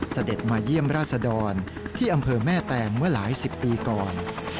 เสด็จมาเยี่ยมราชดรที่อำเภอแม่แตงเมื่อหลายสิบปีก่อน